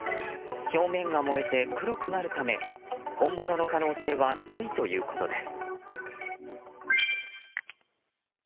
表面が燃えて黒くなるため本物の可能性は低いということです。